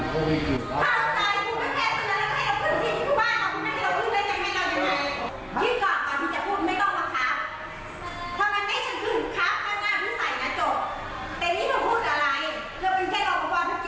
ทำไมก็ไม่ให้ฉันขึ้นมาฉันจะไม่เข้าใจ